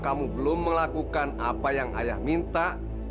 kamu belum melakukan apa yang ayah minta